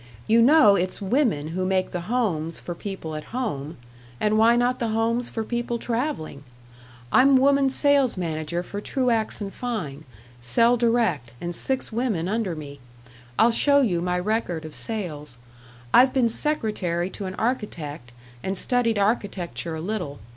You know it's women who make the homes for people at home, and why not the homes for people traveling?... I'm woman sales manager for Truax & Fein sell direct, and six women under me. I'll show you my record of sales. I've been secretary to an architect, and studied architecture a little.